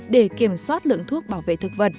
để kiểm soát lượng thuốc bảo vệ